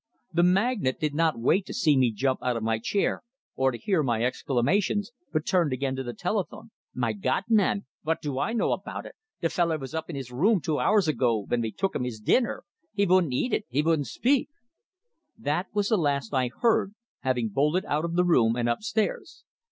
The magnate did not wait to see me jump out of my chair or to hear my exclamations, but turned again to the telephone. "My Gawd, man! Vot do I know about it? De feller vas up in his room two hours ago ven we took him his dinner! He vouldn't eat it, he vouldn't speak " That was the last I heard, having bolted out of the room, and upstairs.